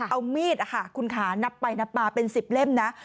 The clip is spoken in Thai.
เอามีดค่ะคุณค้านับไปนับมาเป็นสิบเล่มนะ